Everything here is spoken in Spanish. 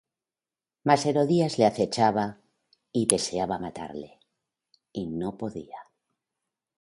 Mas Herodías le acechaba, y deseaba matarle, y no podía: